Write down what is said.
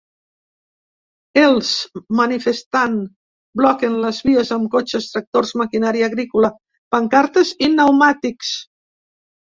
Els manifestant bloquen les vies amb cotxes, tractors, maquinària agrícola, pancartes i neumàtics.